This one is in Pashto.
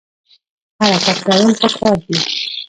حرکت کول پکار دي